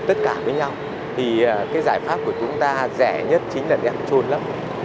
bây giờ chúng ta trộn vào tất cả với nhau thì cái giải pháp của chúng ta rẻ nhất chính là đem trôn lấp